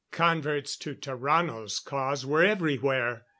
Converts to Tarrano's cause were everywhere.